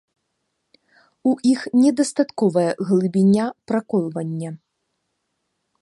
У іх недастатковая глыбіня праколвання.